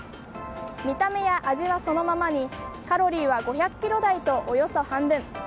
見た目や味はそのままにカロリーは５００キロ台とおよそ半分。